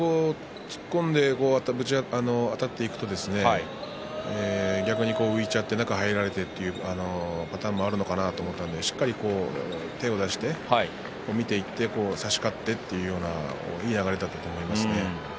突っ込んでぶちかましてあたっていくと逆に浮いちゃって中に入られてというパターンもあるのかなと思ったのでしっかりと手を出して見ていって差し勝ったといういい流れだったと思いますね。